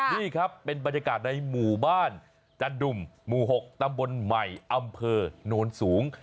นี่ครับเป็นบรรยากาศในหมู่บ้านจันดุมหมู่๖ตำบลใหม่อำเภอโนนสูง